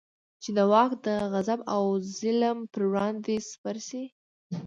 چې د واک د غصب او ظلم پر وړاندې سپر شي.